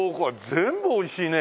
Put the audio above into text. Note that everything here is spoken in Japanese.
全部美味しいね！